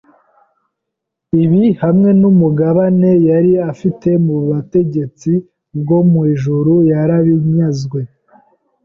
ibi, hamwe n’umugabane yari afite mu butegetsi bwo mu ijuru, yarabinyazwe.